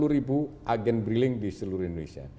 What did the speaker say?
lima ratus enam puluh ribu agen briling di seluruh indonesia